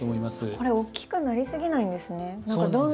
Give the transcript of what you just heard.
これ大きくなりすぎないんですね。